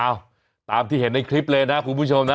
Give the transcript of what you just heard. ตามที่เห็นในคลิปเลยนะคุณผู้ชมนะ